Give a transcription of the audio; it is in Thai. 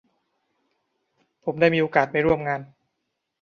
ผมได้มีโอกาสไปร่วมงาน